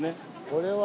これは。